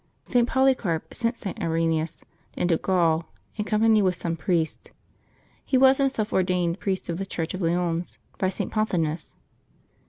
St. Polycarp sent St. Irenaeus into Gaul, in company with some priest; he was himself ordained priest of the Church of Lyons by St. Pothinus.